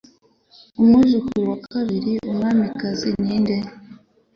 Umwuzukuru wa kabiri wumwamikazi ninde?